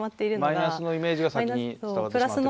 マイナスのイメージが先に伝わってしまった。